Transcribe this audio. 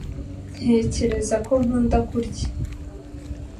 Ntekereza ko nkunda kurya